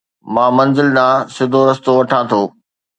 مان منزل ڏانهن سڌو رستو وٺان ٿو